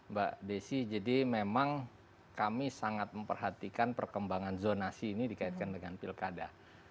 mbak desi jadi memang kami sangat memperhatikan perkembangan zonasi ini dikaitkan dengan pilkada